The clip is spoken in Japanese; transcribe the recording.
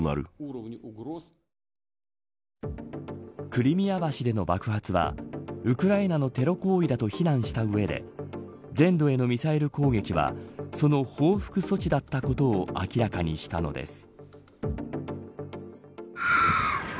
クリミア橋での爆発はウクライナのテロ行為だと非難した上で全土へのミサイル攻撃はその報復措置だったことを明らかにしたのです。